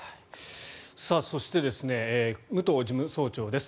そして武藤事務総長です。